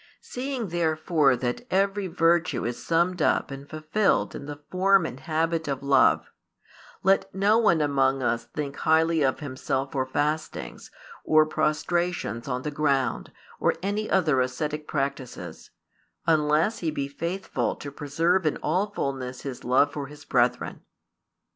Seeing therefore that every virtue is summed up and fulfilled in the form and habit of love, let no one among us think highly of himself for fastings, or prostrations on the ground, or any other ascetic practices, unless he be faithful to preserve in all fulness his love for his brethren.